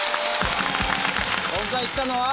今回行ったのは？